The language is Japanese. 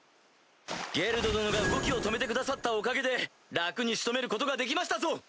ゲルド殿が動きを止めてくださったおかげで楽に仕留めることができましたぞ！